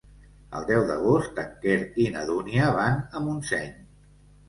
El deu d'agost en Quer i na Dúnia van a Montseny.